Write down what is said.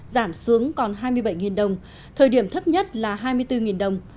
giảm xuống còn hai mươi bảy đồng thời điểm thấp nhất là hai mươi bốn đồng